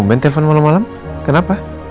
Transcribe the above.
tumben telfon malem malem kenapa